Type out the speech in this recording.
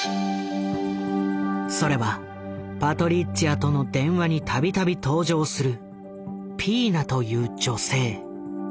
それはパトリッツィアとの電話にたびたび登場するピーナという女性。